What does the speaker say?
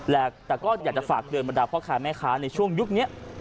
แต่ก็อยากจะฝากเตือนบรรดาพ่อค้าแม่ค้าในช่วงยุคนี้